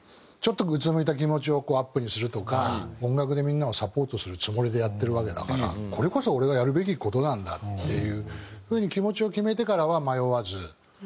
ちょっとうつむいた気持ちをアップにするとか音楽でみんなをサポートするつもりでやってるわけだからこれこそ俺がやるべき事なんだっていう風に気持ちを決めてからは迷わず。